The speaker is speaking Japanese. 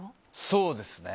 そうですね。